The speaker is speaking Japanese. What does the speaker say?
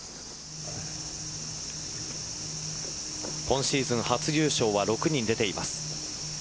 今シーズン初優勝は６人出ています。